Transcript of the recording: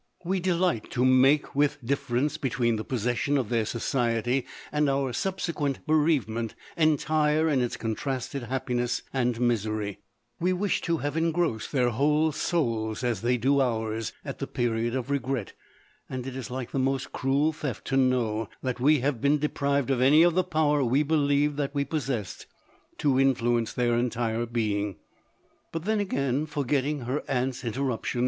We delight to make the dift'e rence between the possession of their society, and our subsequent bereavement, entire in its contrasted happiness and misery ; we wish to have engrossed their whole souls, as they do ours, at the period of regret, and it is like the most cruel theft, to know that we have been de prived of any of the power we believed that we possessed, to influence their entire being. But then again, forgetting her aunt's interruption.